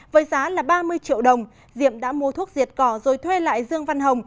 với giá là ba mươi triệu đồng diệm đã mua thuốc diệt cỏ rồi thuê lại dương văn hồng